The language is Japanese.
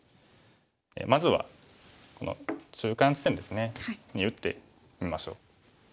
まずはこの中間地点ですね。に打ってみましょう。